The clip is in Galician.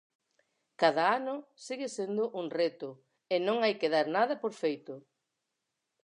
Cada ano segue sendo un reto e non hai que dar nada por feito.